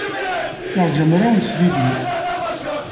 Yeṛja mraw n tesdidin.